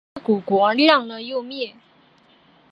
冻尸骨国亮了又灭。